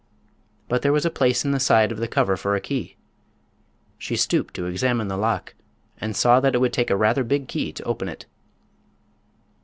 But there was a place in the side of the cover for a key. She stooped to examine the lock, and saw that it would take a rather big key to open it.